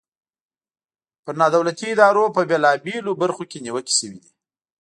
پر نا دولتي ادارو په بیلابیلو برخو کې نیوکې شوي دي.